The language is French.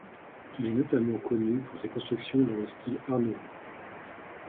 Il est notamment connu pour ses constructions dans le style Art nouveau.